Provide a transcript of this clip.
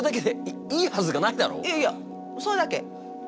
いやいやそれだけ！